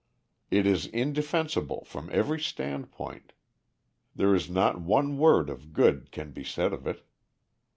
It is indefensible from every standpoint. There is not one word of good can be said of it.